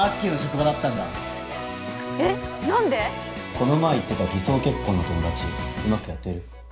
この前言ってた偽装結婚の友達うまくやってる？